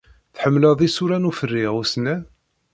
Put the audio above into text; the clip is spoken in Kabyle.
Tḥemmled isura n uferriɣ ussnan?